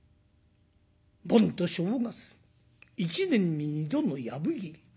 盆と正月一年に２度のやぶ入り。